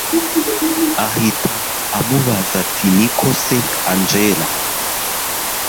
ahita amubaza ati niko se angella